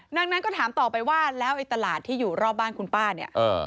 ดังนั้นก็ถามต่อไปว่าแล้วไอ้ตลาดที่อยู่รอบบ้านคุณป้าเนี่ย